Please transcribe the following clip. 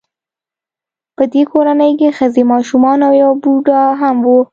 په دې کورنۍ کې ښځې ماشومان او یو بوډا هم و